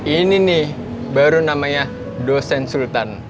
ini nih baru namanya dosen sultan